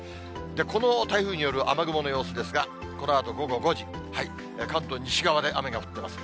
この台風による雨雲の様子ですが、このあと午後５時、関東西側で雨が降ってます。